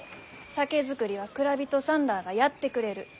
酒造りは蔵人さんらあがやってくれる。